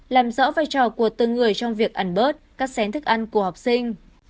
làm rõ vai trò của từng người trong việc ăn bớt cắt xén thức ăn của học sinh